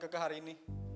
dan kege hari ini